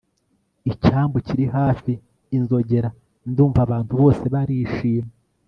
icyambu kiri hafi, inzogera ndumva, abantu bose barishima